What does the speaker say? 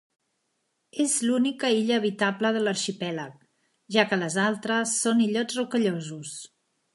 És l'única illa habitable de l'arxipèlag, ja que les altres són illots rocallosos.